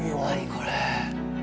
これ。